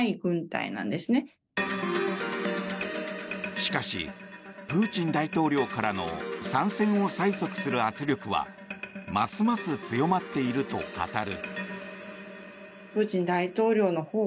しかし、プーチン大統領からの参戦を催促する圧力はますます強まっていると語る。